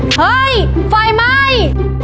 เฮ้ยฟังไห้